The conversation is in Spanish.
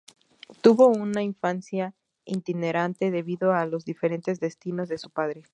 Tuvo una infancia itinerante debido a los diferentes destinos de su padre.